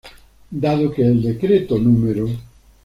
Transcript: Dado que el Decreto No.